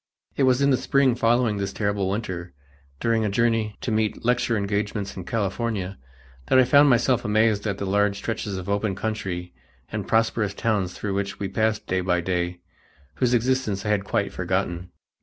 It was in the spring following this terrible winter, during a journey to meet lecture engagements in California, that I found myself amazed at the large stretches of open country and prosperous towns through which we passed day by day, whose existence I had quite forgotten.